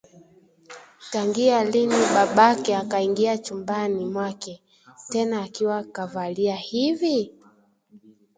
Tangia lini babake akaingia chumbani mwake? Tena akiwa kavalia hivi?